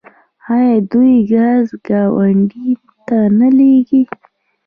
آیا دوی ګاز ګاونډیو ته نه لیږي؟